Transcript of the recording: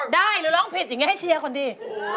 หรือร้องผิดอย่างนี้ให้เชียร์คนดี